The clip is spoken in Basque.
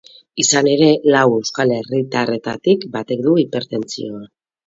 Izan ere, lau euskal herritarretik batek du hipertentsioa.